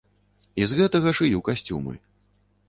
І з гэтага шыю касцюмы.